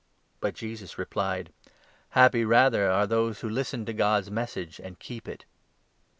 " But Jesus replied : 28 " Rather, happy are those who listen to God's Message and keep it."